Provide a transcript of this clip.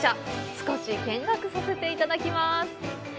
少し見学させていただきます。